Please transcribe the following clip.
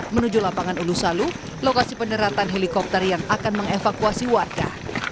menuju lapangan ulusalu lokasi penerapan helikopter yang akan mengevakuasi warga